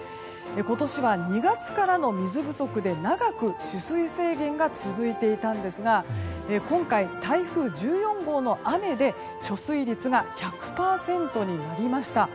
今年は２月からの水不足で長く取水制限が続いていたんですが今回、台風１４号の雨で貯水率が１００％になりました。